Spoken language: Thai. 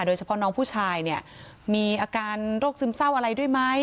โดยเฉพาะน้องผู้ชายเนี่ยมีอาการโรคซึมเศร้าอะไรด้วยไหม